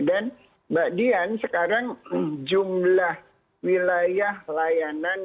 dan mbak dian sekarang jumlah wilayah layanan